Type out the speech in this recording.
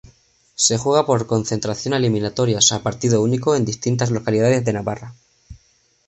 Se juega por concentración a eliminatorias a partido único en distintas localidades de Navarra.